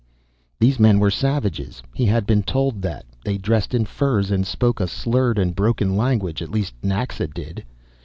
These men were savages, he had been told that. They dressed in furs and spoke a slurred and broken language, at least Naxa did.